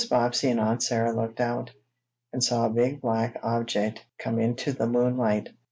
Bobbsey and Aunt Sarah looked out, and saw a big black object come into the moonlight.